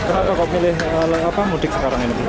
kenapa kok milih mudik sekarang ini